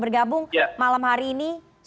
bergabung malam hari ini